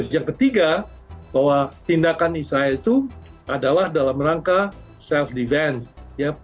yang ketiga bahwa tindakan israel itu adalah dalam rangka self defense